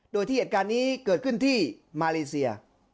โดยที่เหตุการณ์นี้เกิดขึ้นที่มาเลเซีย